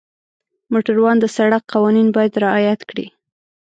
موټروان د سړک قوانین باید رعایت کړي.